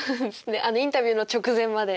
あのインタビューの直前まで。